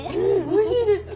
おいしいです！